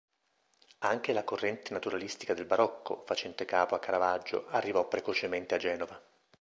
Anche la corrente naturalistica del barocco, facente capo a Caravaggio, arrivò precocemente a Genova.